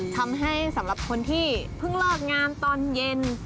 ทำให้สำหรับคนที่เพิ่งเลิกงานตอนเย็น